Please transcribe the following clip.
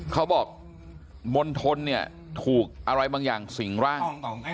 เขาบอกมณฑลเนี่ยถูกอะไรบางอย่างสิงร่าง